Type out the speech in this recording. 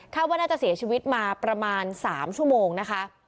ว่าน่าจะเสียชีวิตมาประมาณ๓ชั่วโมงนะคะ